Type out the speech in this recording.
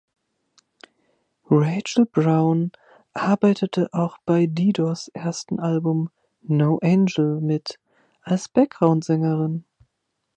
Rachel Brown arbeitete auch bei Didos ersten Album „No Angel“ mit als Background-Sängerin.